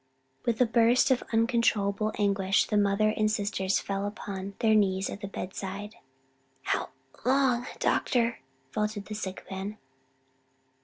With a burst of uncontrollable anguish the mother and sisters fell upon their knees at the bedside. "How long doctor?" faltered the sick man.